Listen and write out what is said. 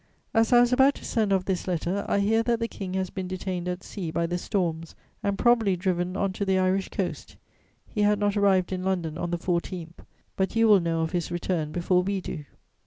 "As I was about to send off this letter, I hear that the King has been detained at sea by the storms and probably driven on to the Irish coast; he had not arrived in London on the 14th; but you will know of his return before we do.